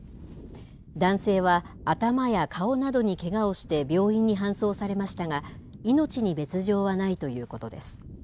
男性は頭や顔などにけがをして病院に搬送されましたが、命に別状はないということです。